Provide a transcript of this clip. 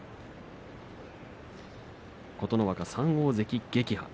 琴ノ若、３大関撃破。